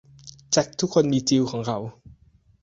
แจ็คทุกคนมีจิลของเขา